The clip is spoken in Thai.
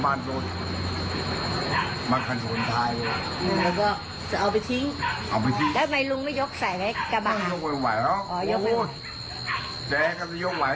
ขอเล่าไม่ใช่หมาล่วงนะหมาตายล่ะ